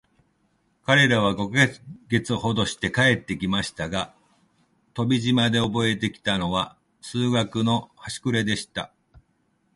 彼等は五ヵ月ほどして帰って来ましたが、飛島でおぼえて来たのは、数学のはしくれでした。